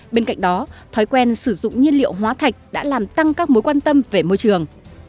bên cạnh đó thói quen sử dụng nhiên liệu hóa thạch đã làm tăng các mối quan tâm về môi trường